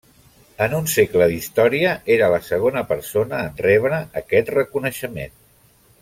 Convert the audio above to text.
En un segle d'història, era la segona persona en rebre aquest reconeixement.